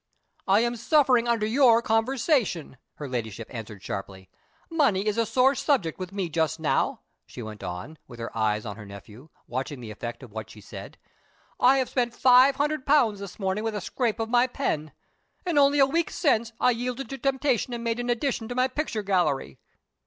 "I am suffering under your conversation," her Ladyship answered sharply. "Money is a sore subject with me just now," she went on, with her eyes on her nephew, watching the effect of what she said. "I have spent five hundred pounds this morning with a scrape of my pen. And, only a week since, I yielded to temptation and made an addition to my picture gallery."